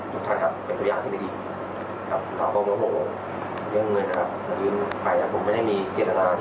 แล้วผมก็รู้สึกว่าเงินผมนะผมเหยียดร้อน